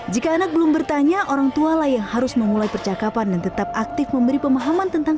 jika anak belum bertanya orang tua lah yang harus memulai percakapan dan tetap aktif memberi pemahaman